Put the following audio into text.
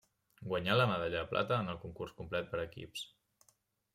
Guanyà la medalla de plata en el concurs complet per equips.